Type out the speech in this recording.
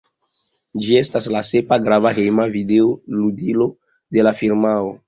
Ĝi estas la sepa grava hejma videoludilo de la firmao.